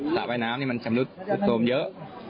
ระว่ายน้ำนี่มันชำรุดโทรมเยอะ